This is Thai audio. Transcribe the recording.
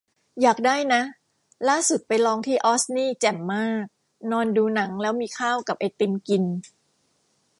อยากได้ นะ ล่าสุดไปลองที่ออสนี่แจ่มมาก นอนดูหนังแล้วมีข้าวกับไอติมกิน